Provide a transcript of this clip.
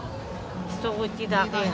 一口だけや。